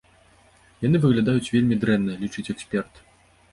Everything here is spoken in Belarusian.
Яны выглядаюць вельмі дрэнна, лічыць эксперт.